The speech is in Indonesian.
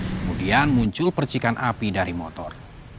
kemudian muncul percikan api dari motor